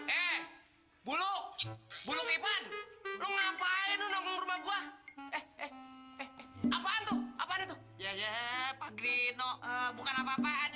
eh bulu bulu kipan lu ngapain lu nunggu gua eh eh eh apaan tuh apaan itu ya ya pagi no bukan apa apaan